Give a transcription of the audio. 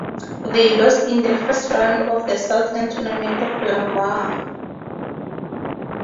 They lost in the first round of the Southland Tournament to Lamar.